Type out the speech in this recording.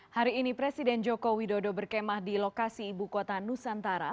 hari ini presiden joko widodo berkemah di lokasi ibu kota nusantara